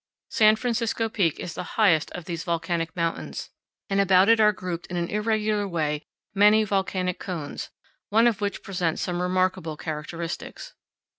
San Francisco Peak is the highest of these volcanic mountains, and about it are grouped in an irregular way many volcanic cones, one of which presents some remarkable characteristics.